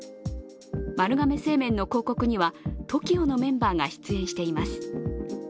丸亀製麺の広告にはＴＯＫＩＯのメンバーが出演しています。